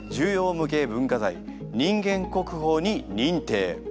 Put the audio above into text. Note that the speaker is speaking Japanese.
無形文化財人間国宝に認定。